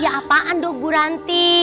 ya apaan dong bu ranti